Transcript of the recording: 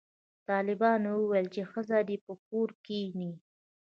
طالبانو ویل چې ښځې دې په کور کښېني